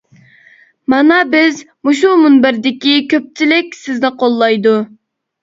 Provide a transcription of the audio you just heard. مانا بىز، مۇشۇ مۇنبەردىكى كۆپچىلىك سىزنى قوللايدۇ.